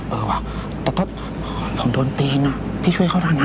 เออเออว่ะแต่ทศพอโดนตีนพี่ช่วยเข้าได้นะ